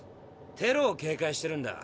テロを警戒してるんだ。